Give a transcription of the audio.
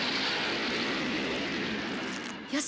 よし！